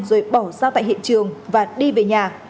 rồi bỏ ra tại hiện trường và đi về nhà